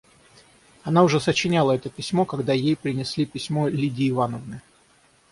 Она уже сочиняла это письмо, когда ей принесли письмо Лидии Ивановны.